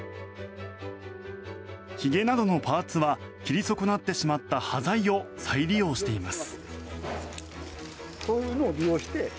ひげなどのパーツは切り損なってしまった端材を再利用しています。